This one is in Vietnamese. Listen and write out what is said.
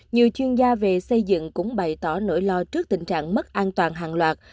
nhiều chuyên gia về xây dựng cũng bày tỏ nỗi lo trước tình trạng mất an toàn hàng loạt